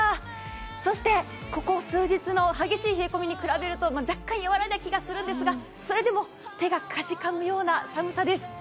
そしてここ数日の激しい冷え込みに比べると、若干、弱まったような気がするんですが、それでも手がかじかむような寒さです。